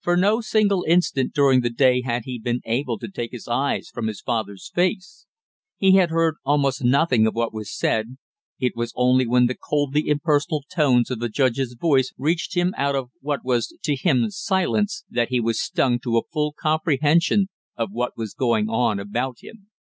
For no single instant during the day had he been able to take his eyes from his father's face. He had heard almost nothing of what was said, it was only when the coldly impersonal tones of the judge's voice reached him out of, what was to him silence, that he was stung to a full comprehension of what was going on about him.